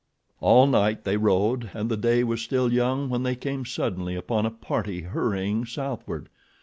All night they rode, and the day was still young when they came suddenly upon a party hurrying southward.